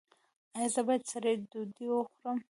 ایا زه باید سړه ډوډۍ وخورم؟